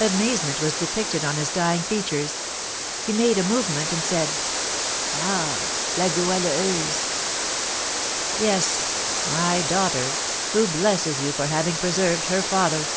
Amazement was depicted on his dying features; he made a movement, and said: "Ah! the Goualeuse!" "Yes, my daughter, who blesses you for having preserved her father!"